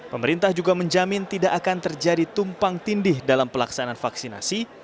pemerintah juga menjamin tidak akan terjadi tumpang tindih dalam pelaksanaan vaksinasi